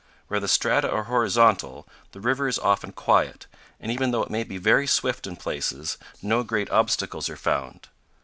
Where the strata are horizontal the river is often quiet, and, even though it may be very swift in places, no great obstacles are found.